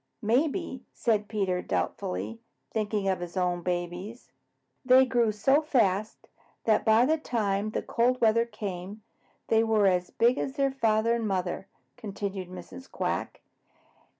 "Maybe," said Peter doubtfully, thinking of his own babies. "They grew so fast that by the time the cold weather came, they were as big as their father and mother," continued Mrs. Quack.